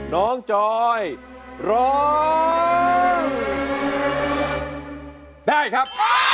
น้องจอยร้องได้ครับ